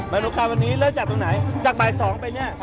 มนุษย์คำวันนี้เลือกจากตรงไหนจากบ่าย๒ไปเนี่ย